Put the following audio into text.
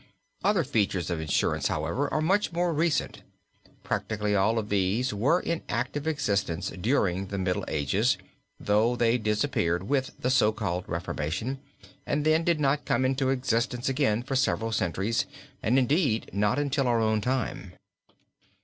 Other features of insurance, however, are much more recent. Practically all of these were in active existence during the Middle Ages, though they disappeared with the so called reformation, and then did not come into existence again for several centuries and, indeed, not until our own time.